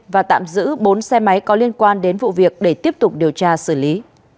và tạm giữ bốn xe máy có liên quan đến vụ việc để tiếp tục điều tra xử lý